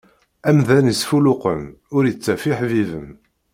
Amdan isfulluqen, ur ittaf iḥbiben.